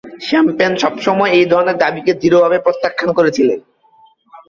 Champagne সবসময় এই ধরনের দাবিকে দৃঢ়ভাবে প্রত্যাখ্যান করেছিলেন।